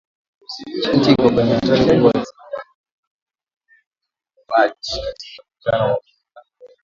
nchi iko kwenye hatari kubwa alisema mjumbe wa Umoja wa Afrika, Mohamed Lebatt katika mkutano wa pamoja na